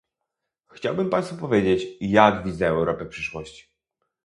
Chciałbym państwu powiedzieć, jak widzę Europę przyszłości